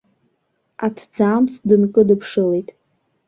Аҭӡамц дынкыдыԥшылеит.